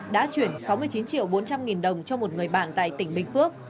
đã chuyển sáu mươi chín triệu bốn trăm linh nghìn đồng cho một người bạn tại tỉnh bình phước